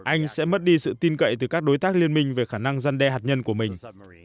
anh sẽ mất đi sự tin cậy từ các đối tác liên minh về khả năng dân đe hạt nhân của mình